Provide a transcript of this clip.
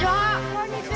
こんにちは。